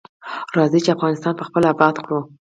راځی چی افغانستان پخپله اباد کړو.